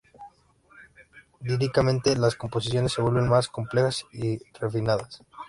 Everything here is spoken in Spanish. Líricamente, las composiciones se vuelven más complejas y refinadas.